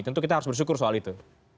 tentu kita harus bersyukur soal itu